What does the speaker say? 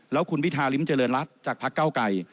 แล้วคุณพิธาริมเจริญรัฐจากพักเก้าไกร